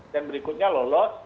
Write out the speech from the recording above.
dan berikutnya lolos